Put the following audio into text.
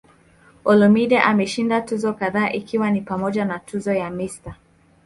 Olumide ameshinda tuzo kadhaa ikiwa ni pamoja na tuzo ya "Mr.